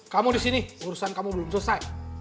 kamu di sini urusan kamu belum selesai